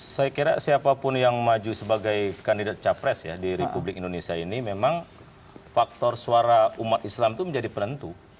saya kira siapapun yang maju sebagai kandidat capres ya di republik indonesia ini memang faktor suara umat islam itu menjadi penentu